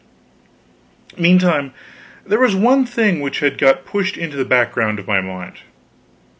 Meantime there was one thing which had got pushed into the background of my mind.